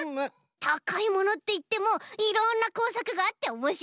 「たかいもの」っていってもいろんなこうさくがあっておもしろいねえ！